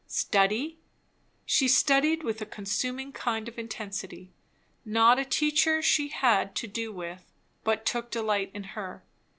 Study? She studied with a consuming kind of intensity. Not a teacher that she had to do with, but took delight in her.